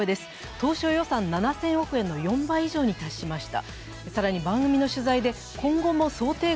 当初予算７０００億円の４倍以上に達しました。